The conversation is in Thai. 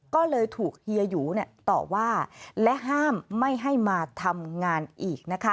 ก็เลยถูกเฮียหยูต่อว่าและห้ามไม่ให้มาทำงานอีก